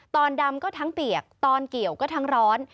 ตอนดำก็ทั้งเปียกตอนเกี่ยวก็ทั้งร้อน